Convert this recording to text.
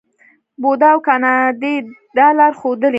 بودا او ګاندي دا لار ښودلې.